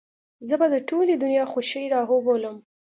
زه به د ټولې دنيا خوښۍ راوبولم.